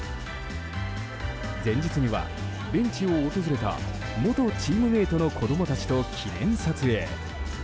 前日には、ベンチを訪れた元チームメートの子供たちと記念撮影。